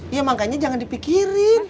iya makanya jangan dipikirin